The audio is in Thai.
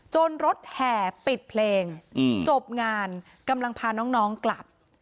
รถแห่ปิดเพลงจบงานกำลังพาน้องกลับ